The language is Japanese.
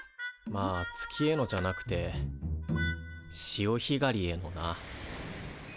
まあ月へのじゃなくて潮ひがりへのな。